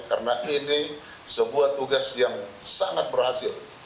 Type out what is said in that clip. karena ini sebuah tugas yang sangat berhasil